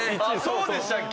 そうでしたっけ。